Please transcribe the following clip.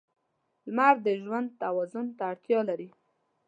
• لمر د ژوند توازن ته اړتیا لري.